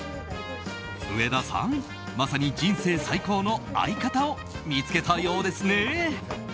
上田さん、まさに人生最高の相方を見つけたようですね。